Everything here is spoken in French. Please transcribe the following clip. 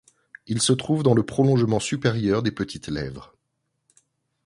Il se trouve dans le prolongement supérieur des petites lèvres.